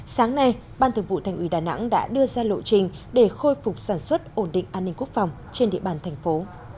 sáng nay ban thường vụ thành ủy đà nẵng đã đưa ra lộ trình để khôi phục sản xuất ổn định an ninh quốc phòng trên địa bàn thành phố